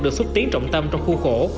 được xúc tiến trọng tâm trong khu khổ